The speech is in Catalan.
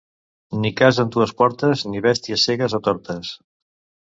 Ni casa amb dues portes ni bèsties cegues o tortes.